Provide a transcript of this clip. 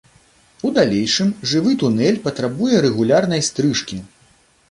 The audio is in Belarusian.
У далейшым жывы тунэль патрабуе рэгулярнай стрыжкі.